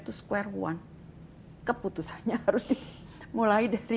oh caranya tidak adil